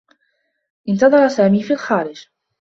انتظر سامي في الخارج.